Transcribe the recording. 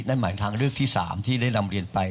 นั่นหมายทางเลือกที่๓ที่ได้นำเรียนไป